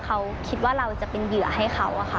ฟังเสียงของนักศึกษาหญิงเล่าเรื่องนี้ให้ฟังหน่อยครับ